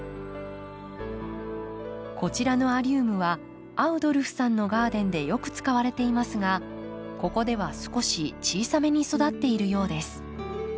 こちらのアリウムはアウドルフさんのガーデンでよく使われていますがここでは少し小さめに育っているようです。